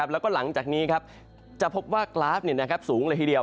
แล้วก็หลังจากนี้จะพบว่ากราฟสูงเลยทีเดียว